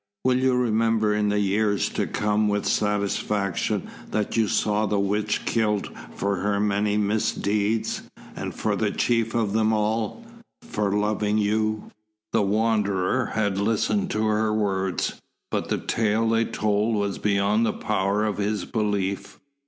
Will you remember in the years to come with satisfaction that you saw the witch killed for her many misdeeds, and for the chief of them all for loving you?" The Wanderer had listened to her words, but the tale they told was beyond the power of his belief.